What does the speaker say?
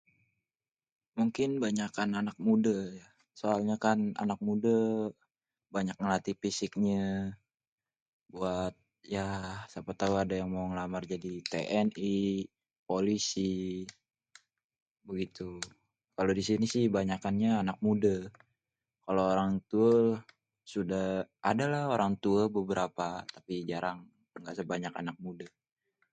mungkin banyakan anak mudè, soalnya kan anak mudè banyak ngelatih fisiknya buat ya siapa tau ada yang mau ngelamar jadi TNI, polisi begitu, kalo disini sih kebanyakanya anak mudè, kalo orang tuè sudè, adalah orang tua beberapa, tapi jarang, masih banyak anak mudè